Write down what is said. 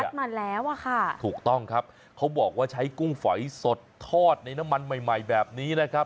คัจมาแล้วค่ะเขาบอกว่าใช้กุ้งฝอยสดทอดในน้ำมันใหม่แบบนี้นะครับ